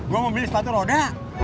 gue mau beli sepatu roda